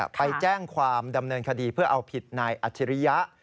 ไปแจ้งความดำเนินคดีเพื่อเอาผิดนายอัจฉริยะ